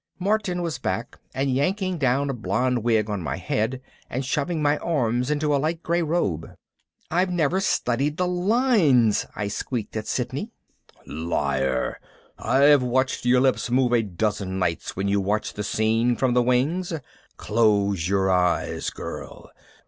Martin was back and yanking down a blonde wig on my head and shoving my arms into a light gray robe. "I've never studied the lines," I squeaked at Sidney. "Liar! I've watched your lips move a dozen nights when you watched the scene from the wings. Close your eyes, girl!